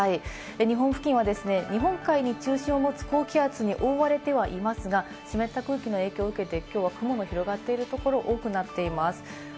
日本付近は高気圧に覆われてはいますが、湿った空気の影響を受けて今日は雲が広がっているところ多くなっています。